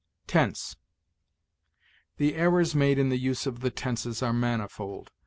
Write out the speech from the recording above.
TENSE. The errors made in the use of the tenses are manifold.